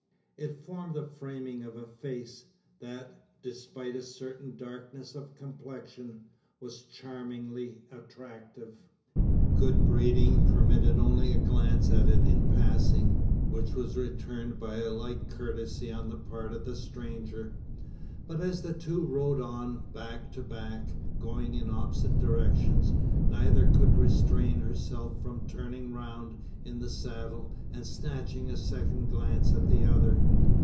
It formed the framing of a face, that, despite a certain darkness of complexion, was charmingly attractive. Good breeding permitted only a glance at it in passing; which was returned by a like courtesy on the part of the stranger. But as the two rode on, back to back, going in opposite directions, neither could restrain herself from turning round in the saddle, and snatching a second glance at the other.